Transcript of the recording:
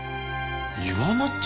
「イワナっち」？